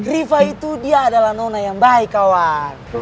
rifa itu dia adalah nona yang baik kawan